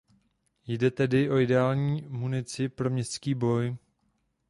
Jde tedy o ideální munici pro městský boj.